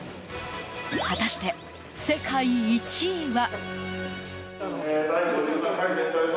果たして、世界１位は？